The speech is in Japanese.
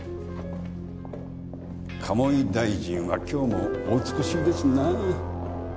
鴨井大臣は今日もお美しいですな。